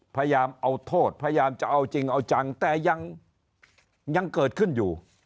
พยายามเอาโทษพยายามจะเอาจริงเอาจังแต่ยังเกิดขึ้นอยู่